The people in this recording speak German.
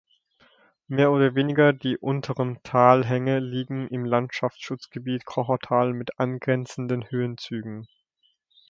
Mehr oder weniger die unteren Talhänge liegen im Landschaftsschutzgebiet Kochertal mit angrenzenden Höhenzügen.